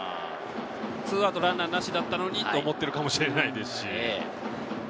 ２アウトランナーなしだったのにと思っているかもしれないですし。